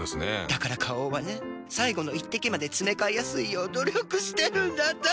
だから花王はね最後の一滴までつめかえやすいよう努力してるんだって。